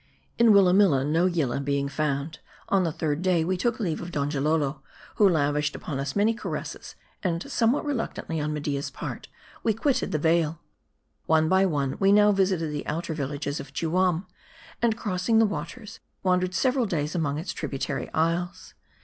IN Willamilla, no Yillah being found, on the third day we took leave of Donjalolo ; who lavished upon us many caresses ; and, somewhat reluctantly on Media's part, we quitted the vale, One by one, we now visited the outer villages of Juam ; and crossing the waters, wandered several days among its tributary isles.